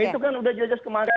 itu kan udah jelas kemarin